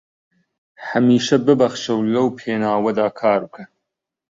هەمیشە ببەخشە و لەو پێناوەدا کار بکە